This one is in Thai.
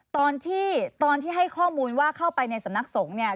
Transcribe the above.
ตอนที่ตอนที่ให้ข้อมูลว่าเข้าไปในสำนักสงฆ์เนี่ย